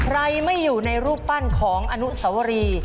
ใครไม่อยู่ในรูปปั้นของอนุสวรี